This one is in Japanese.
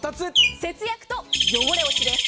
節約と汚れ落ちです。